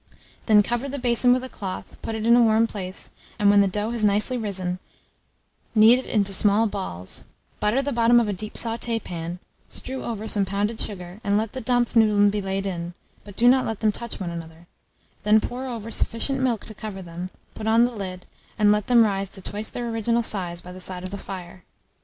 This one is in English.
Then cover the basin with a cloth, put it in a warm place, and when the dough has nicely risen, knead it into small balls; butter the bottom of a deep sauté pan, strew over some pounded sugar, and let the dampfnudeln be laid in, but do not let them touch one another; then pour over sufficient milk to cover them, put on the lid, and let them rise to twice their original size by the side of the fire.